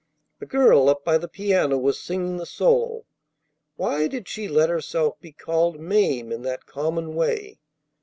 The girl up by the piano was singing the solo. Why did she let herself be called "Mame" in that common way?